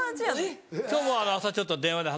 今日も朝ちょっと電話で話した。